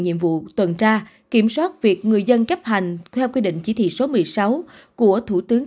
nhiệm vụ tuần tra kiểm soát việc người dân chấp hành theo quy định chỉ thị số một mươi sáu của thủ tướng